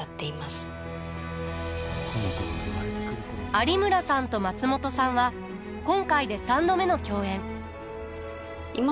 有村さんと松本さんは今回で３度目の共演。